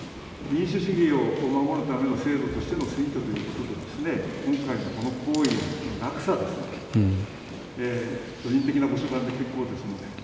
民主主義を守るための制度としての選挙という中で今回のこの行為の落差個人的なお言葉で結構ですので。